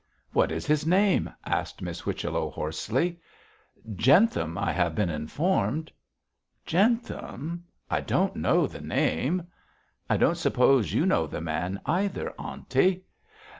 'What is his name?' asked Miss Whichello, hoarsely. 'Jentham, I have been informed.' 'Jentham! I don't know the name.' 'I don't suppose you know the man either, aunty?'